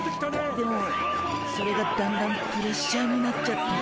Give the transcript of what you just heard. でもそれがだんだんプレッシャーになっちゃって。